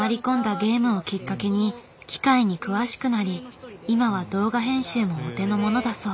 ゲームをきっかけに機械に詳しくなり今は動画編集もお手の物だそう。